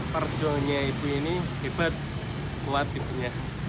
perjuangnya itu ini hebat kuat gitu ya